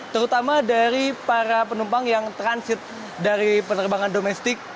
terutama dari para penumpang yang transit dari penerbangan domestik